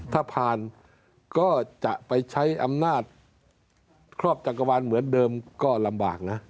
ถ้าผ่านก็จะไปใช้อำนาจครอบจักรวาลเหมือนเดิมก็ลำบากนะ